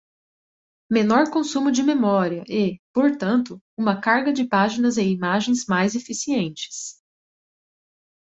Menor consumo de memória e, portanto, uma carga de páginas e imagens mais eficientes.